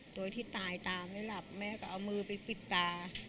โดยที่ตายตาไม่หลับแม่ก็เอามือไปปิดตา